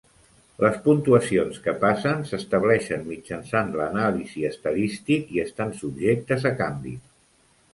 Les puntuacions que passen s'estableixen mitjançant l'Anàlisi estadístic i estan subjectes a canvis.